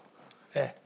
ええ。